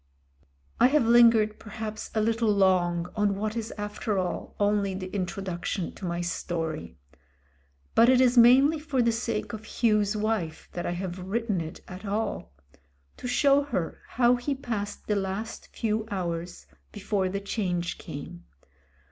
•■••• I have lingered perhaps a little long on what is after all only the introduction to my story. But it is mainly for the sake of Hugh's wife that I have written it at all; to show her how he passed the last few hours before — the change came.